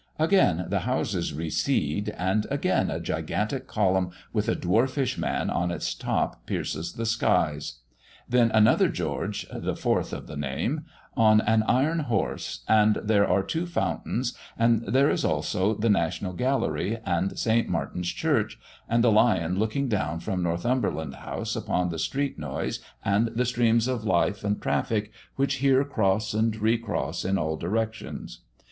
Again the houses recede, and again a gigantic column with a dwarfish man on its top pierces the skies. Then another George the fourth of the name on an iron horse, and there are two fountains, and there is also the National Gallery, and St. Martin's Church, and the lion looking down from Northumberland House upon the street noise and the streams of life and traffic which here cross and recross in all directions.